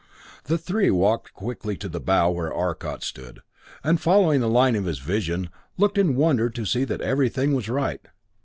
The three walked quickly to the bow where Arcot stood, and following the line of his vision, looked in wonder to see that everything was right.